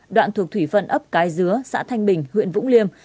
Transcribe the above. đoạn thuộc thủy phận ấp cái dứa xã thanh bình huyện vũng liêm